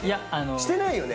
してないよね？